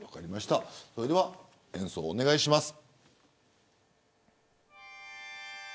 それでは演奏をお願いします。